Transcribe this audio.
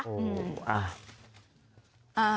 โอ้โฮอ่า